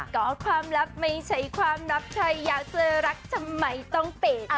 ก็ความลับไม่ใช่ความลับใครอยากเจอรักทำไมต้องเป็น